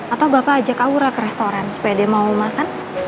atau bapak ajak aura ke restoran supaya dia mau makan